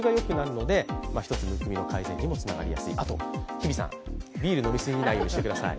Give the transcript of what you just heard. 日比さん、ビール飲みすぎないようにしてください。